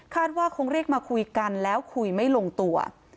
ว่าคงเรียกมาคุยกันแล้วคุยไม่ลงตัว